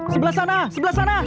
sebelah sana sebelah sana